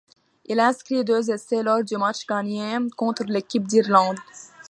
Il inscrit deux essais lors du match gagné contre l'équipe d'Irlande.